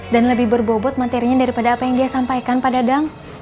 dan lebih berbobot materinya daripada apa yang dia sampaikan pada dang